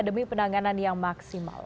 demi penanganan yang maksimal